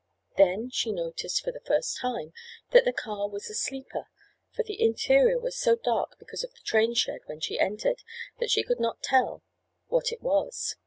Then she noticed, for the first time, that the car was a sleeper, for the interior was so dark because of the train shed when she entered that she could not tell what it was.